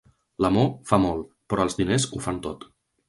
L'amor fa molt, però els diners ho fan tot.